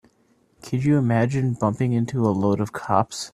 Can you imagine bumping into a load of cops?